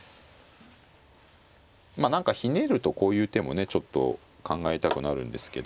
まあ何かひねるとこういう手もねちょっと考えたくなるんですけど。